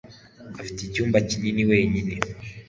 afite iki cyumba kinini wenyine